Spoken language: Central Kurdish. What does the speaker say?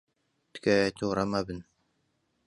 تکایە تووڕە مەبن.